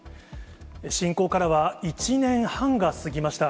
侵攻からは１年半が過ぎました。